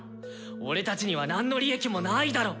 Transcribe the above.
俺たちには何の利益もないだろ。